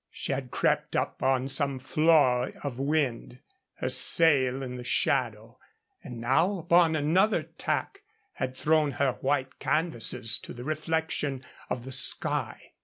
She had crept up on some flaw of wind, her sail in the shadow, and now upon another tack had thrown her white canvases to the reflection of the sky.